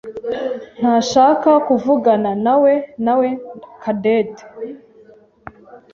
ntashaka kuvuganawe nawe Cadette.